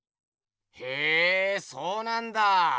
へえそうなんだ。